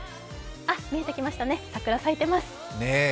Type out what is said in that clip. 見えてきましたね、桜咲いてます。